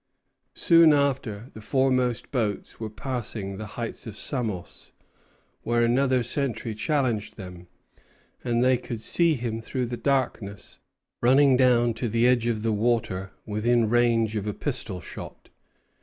Soon after, the foremost boats were passing the heights of Samos, when another sentry challenged them, and they could see him through the darkness running down to the edge of the water, within range of a pistol shot.